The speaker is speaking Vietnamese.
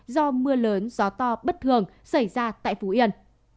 do mưa lớn gió to bất thường xảy ra tại phú yên